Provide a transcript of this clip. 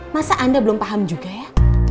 masa anda belum paham juga ya